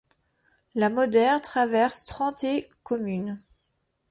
La Moder traverse trente-et communes.